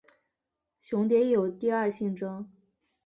雄蝶有第二性征。